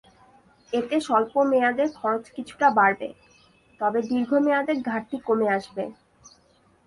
এতে স্বল্প মেয়াদে খরচ কিছুটা বাড়বে, তবে দীর্ঘ মেয়াদে ঘাটতি কমে আসবে।